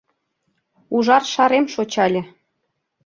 Ужар шарем шочале.